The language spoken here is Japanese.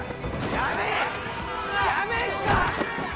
やめんか！